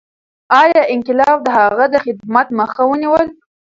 ایا انقلاب د هغه د خدمت مخه ونیوله؟